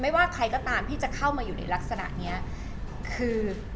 ว่าใครก็ตามที่จะเข้ามาอยู่ในลักษณะนี้คือ